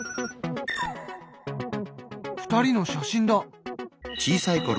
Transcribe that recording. ２人の写真だ。